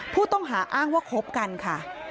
ผู้ต้องหาอ้างว่าคบกันค่ะ